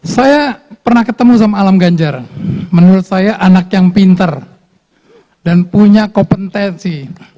saya pernah ketemu sama alam ganjar menurut saya anak yang pinter dan punya kompetensi